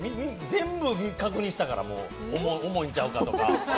全部確認したから、もう重いんちゃうかとか。